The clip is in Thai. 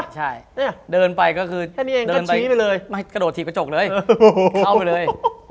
ใช่เดินไปก็คือเท่านี้เองก็ชี้ไปเลยกระโดดถีกกระจกเลยเข้าไปเลย